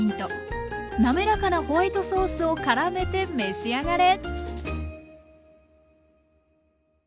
滑らかなホワイトソースをからめて召し上がれ。